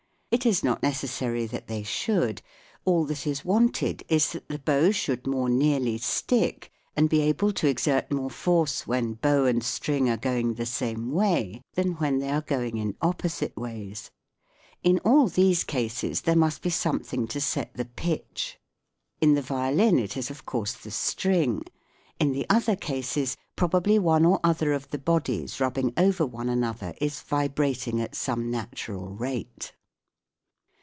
It is not necessary that they should : all that is wanted is that the bow should more nearly stick and be able to exert more force when bow and string are going the same way than when they are going in 158 THE WORLD OF SOUND opposite ways. In all these cases there must be something to set the pitch. In the violin it is of course the string ; in the other cases, probably one or other of the bodies rubbing over one another is vibrating at some natural rate.